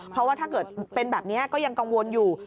เพราะว่าถ้าเกิดเป็นแบบนี้ก็ยังกังวลอยู่